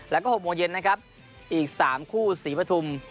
แล้วก็หกโมงเย็นนะครับอีกสามคู่สีพะทุ่ม